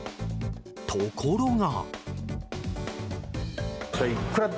ところが。